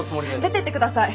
出てってください。